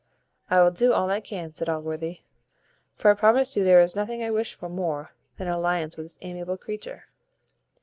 "I will do all I can," said Allworthy; "for I promise you there is nothing I wish for more than an alliance with this amiable creature."